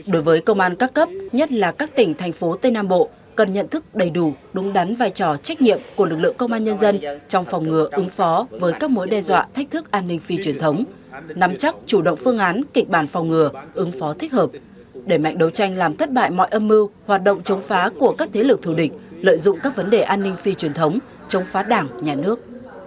đối với công an các cấp nhất là các tỉnh thành phố tây nam bộ cần nhận thức đầy đủ đúng đắn vai trò trách nhiệm của lực lượng công an nhân dân trong phòng ngừa ứng phó với các mối đe dọa thách thức an ninh phi truyền thống nắm chắc chủ động phương án kịch bản phòng ngừa ứng phó thích hợp để mạnh đấu tranh làm thất bại mọi âm mưu hoạt động chống phá của các thế lực thù địch lợi dụng các vấn đề an ninh phi truyền thống chống phá đảng nhà nước